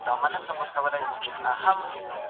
نوم به دي ياد ساتم هرڅه به دي په يـاد کي ســاتــم